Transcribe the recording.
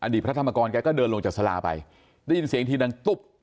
พระธรรมกรแกก็เดินลงจากสาราไปได้ยินเสียงทีดังตุ๊บ